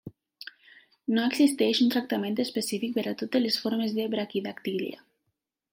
No existeix un tractament específic per a totes les formes de braquidactília.